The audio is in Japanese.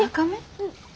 うん。